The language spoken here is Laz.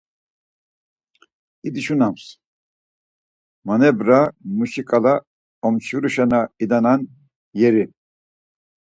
İduşunams , manebra muşi ǩala omçviruşa na idanen yeri.